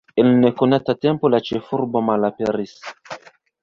En nekonata tempo la ĉefurbo malaperis.